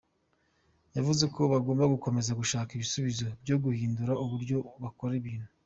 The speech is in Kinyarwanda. Yavuze ko bagomba gukomeza gushaka ibisubizo byo guhindura uburyo bakora ibintu.